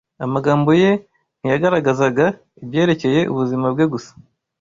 Amagambo ye ntiyagaragazaga ibyerekeye ubuzima bwe gusa